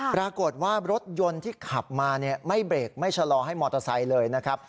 ปรากฏว่ารถยนต์ที่ขับมาไม่เบรกไม่ชะลอให้มอเตอร์ไซค์เลยนะครับ